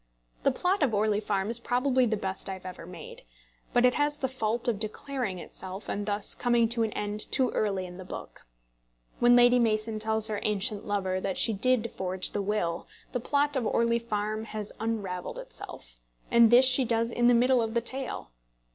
The plot of Orley Farm is probably the best I have ever made; but it has the fault of declaring itself, and thus coming to an end too early in the book. When Lady Mason tells her ancient lover that she did forge the will, the plot of Orley Farm has unravelled itself; and this she does in the middle of the tale.